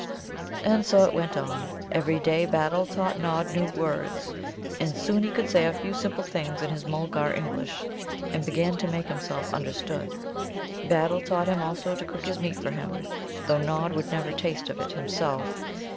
And so it went on. Every day Battle taught Nod new words. And soon he could say a few simple things in his Mulgar English, and begin to make himself understood. Battle taught him also to cook his meat for him, though Nod would never taste of it himself.